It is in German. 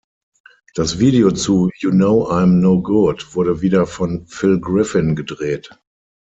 Das Video zu "You Know I’m No Good" wurde wieder von Phil Griffin gedreht.